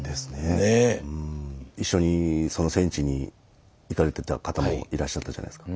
一緒にその戦地に行かれてた方もいらっしゃったじゃないですか。